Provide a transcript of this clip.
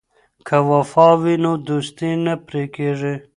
که وفا وي نو دوستي نه پرې کیږي.